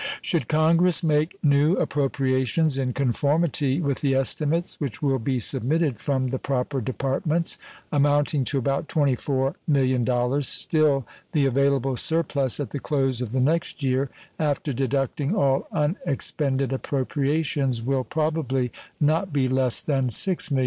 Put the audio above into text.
Should Congress make new appropriations in conformity with the estimates which will be submitted from the proper Departments, amounting to about $24,000,000, still the available surplus at the close of the next year, after deducting all unexpended appropriations, will probably not be less than $6,000,000.